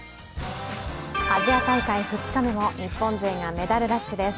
アジア大会２日目は日本勢がメダルラッシュです。